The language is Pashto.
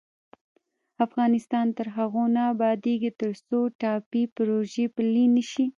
افغانستان تر هغو نه ابادیږي، ترڅو ټاپي پروژه پلې نشي.